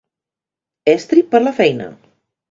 Estri per a la feina.